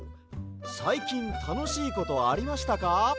「さいきんたのしいことありましたか？」